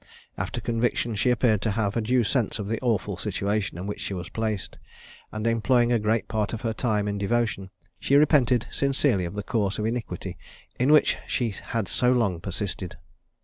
After conviction she appeared to have a due sense of the awful situation in which she was placed; and employing a great part of her time in devotion, she repented sincerely of the course of iniquity in which she had so long persisted.